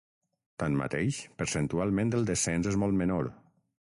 Tanmateix, percentualment el descens és molt menor.